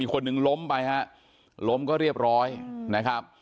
คนหนึ่งล้มไปฮะล้มก็เรียบร้อยนะครับ